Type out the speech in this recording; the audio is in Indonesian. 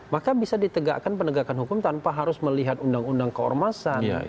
maka bisa ditegakkan penegakan hukum tanpa harus melihat undang undang keormasan